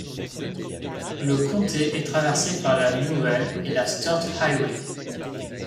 Le comté est traversé par la Newell et la Sturt Highway.